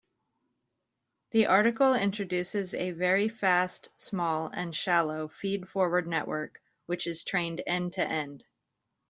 The article introduces a very fast, small, and shallow feed-forward network which is trained end-to-end.